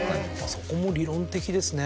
そこも理論的ですね。